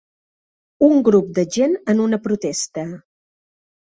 Un grup de gent en una protesta.